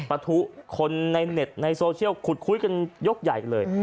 ประทุคนในเน็ตในโซเชียลขุดคุยกันยกใหญ่กันเลย